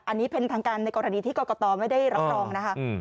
อันนี้เป็นทางการในกรณีที่กรกตไม่ได้รับรองนะคะ